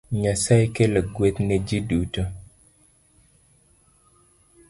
Nyasaye kelo gweth ne ji duto